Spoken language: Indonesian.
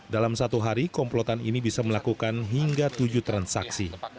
dalam satu hari komplotan ini bisa melakukan hingga tujuh transaksi